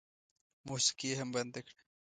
موسيقي یې هم بنده کړه.